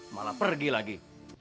malah pergi lagi